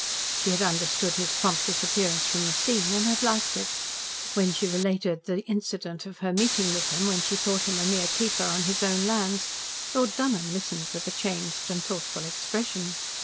She had understood his prompt disappearance from the scene, and had liked it. When she related the incident of her meeting with him when she thought him a mere keeper on his own lands, Lord Dunholm listened with a changed and thoughtful expression.